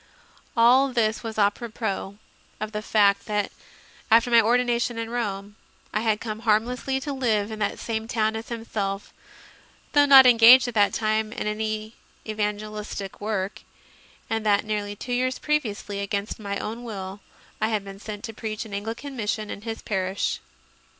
All this was apropos of the fact that after CONFESSIONS OF A CONVERT 139 my ordination in Rome I had come harmlessly to live in the same town as himself, though not engaged at that time in any evangelistic works, and that nearly two years previously, against my own will, I had been sent to preach an Anglican mission in his parish.